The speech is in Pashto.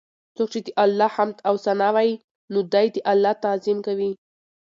څوک چې د الله حمد او ثناء وايي، نو دی د الله تعظيم کوي